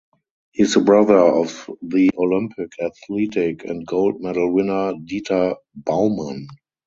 He is the brother of the Olympic athletic and gold medal winner Dieter Baumann.